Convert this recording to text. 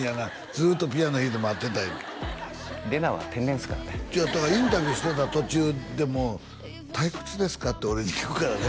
ずっとピアノ弾いて待ってた麗奈は天然ですからねインタビューしてた途中でも「退屈ですか？」って俺に聞くからね